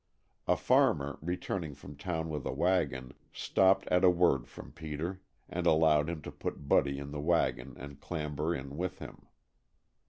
A farmer, returning from town with a wagon, stopped at a word from Peter, and allowed him to put Buddy in the wagon and clamber in with him.